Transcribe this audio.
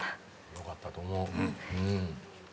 ・よかったと思う。